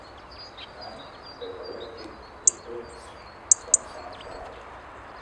En The Collected Reprints from Sing Out!